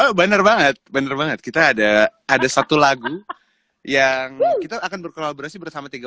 oh bener banget bener banget kita ada ada satu lagu yang kita akan berkolaborasi bersama tiga